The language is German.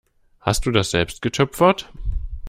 Hast du das selbst getöpfert?